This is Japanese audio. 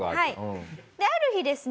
である日ですね